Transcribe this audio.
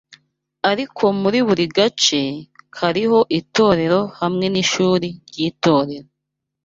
Ariko muri buri gace kariho itorero hamwe n’ishuri ry’itorero